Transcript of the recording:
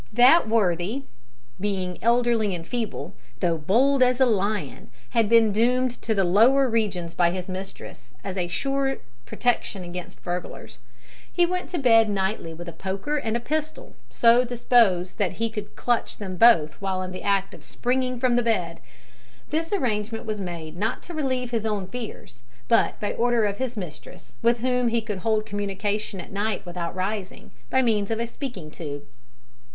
That worthy, being elderly and feeble, though bold as a lion, had been doomed to the lower regions by his mistress, as a sure protection against burglars. He went to bed nightly with a poker and a pistol so disposed that he could clutch them both while in the act of springing from bed. This arrangement was made not to relieve his own fears, but by order of his mistress, with whom he could hold communication at night without rising, by means of a speaking tube.